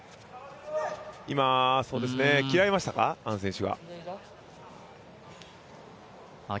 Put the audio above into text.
今、嫌いましたか、アン選手が。